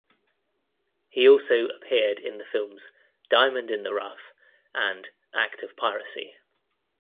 He also appeared in the films "Diamond in the Rough" and "Act of Piracy".